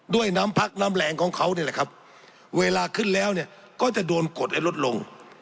ด้วยน้ำพักน้ำแรงของเขานี่แหละครับเวลาขึ้นแล้วเนี่ยก็จะโดนกดและลดลง